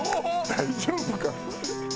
大丈夫か？